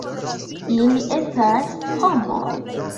Ili estas homoj.